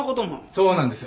そうなんです。